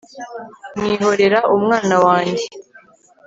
nkihorera umwana wanjye